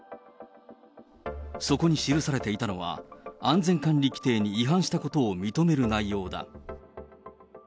そこに記されていたのは、安全管理規程に違反したことを認める内容だ。